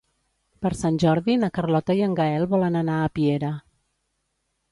Per Sant Jordi na Carlota i en Gaël volen anar a Piera.